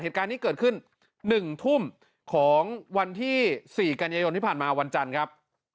เหตุการณ์นี้เกิดขึ้น๑ทุ่มของวันที่๔กันยายนที่ผ่านมาวันจันทร์ครับ